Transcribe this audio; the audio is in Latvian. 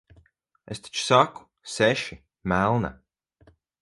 Es taču saku - seši, melna.